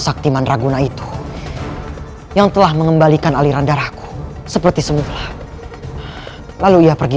saktiman raguna itu yang telah mengembalikan aliran darahku seperti semula lalu ia pergi